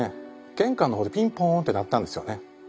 玄関の方でピンポーンって鳴ったんですよね。